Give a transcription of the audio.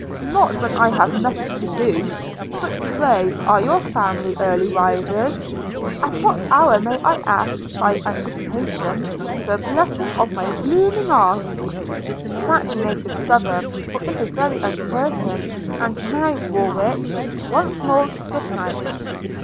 'Not when I have nothing to do; but, pray, are your family early risers? At what hour may I ask, by anticipation, the blessing of my blooming aunt?' 'That you must discover, for it is very uncertain – and now, Warwick, once more good night!'